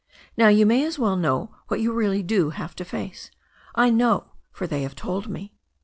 Now, you may as well know what you really do have to face. I know, for they have told me."